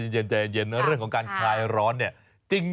เย็นใจเย็นเรื่องของการคลายร้อนเนี่ย